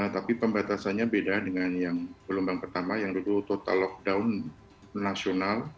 tapi pembatasannya beda dengan yang gelombang pertama yang dulu total lockdown nasional